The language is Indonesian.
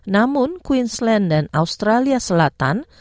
namun queensland dan australia selatan